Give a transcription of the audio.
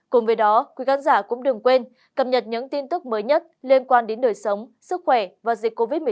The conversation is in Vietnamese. cùng với đó quý khán giả cũng đừng quên cập nhật những tin tức mới nhất liên quan đến đời sống sức khỏe và dịch covid một mươi chín